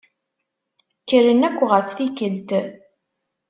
Kkren akk ɣef tikkelt.